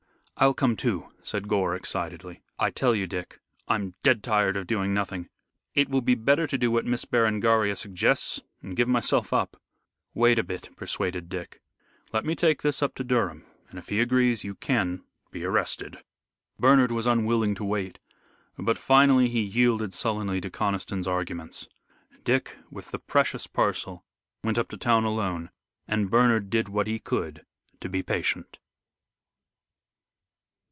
"I'll come too," said Gore, excitedly. "I tell you, Dick, I'm dead tired of doing nothing. It will be better to do what Miss Berengaria suggests and give myself up." "Wait a bit," persuaded Dick. "Let me take this up to Durham, and if he agrees you can be arrested." Bernard was unwilling to wait, but finally he yielded sullenly to Conniston's arguments. Dick with the precious parcel went up to town alone, and Bernard did what he could to be patient.